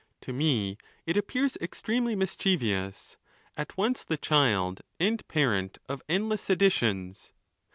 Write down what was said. To me it appears extremely mischievous, at once the child and parent of endless seditions.